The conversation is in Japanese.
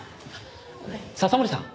笹森さん。